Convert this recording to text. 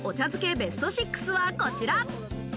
ベスト６は、こちら。